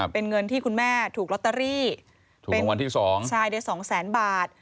เป็นเงินที่คุณแม่ถูกลอตเตอรี่ถูกรางวัลที่สองใช่ได้สองแสนบาท